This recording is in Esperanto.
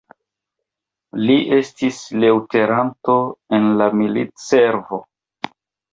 Li estis leŭtenanto en la militservo.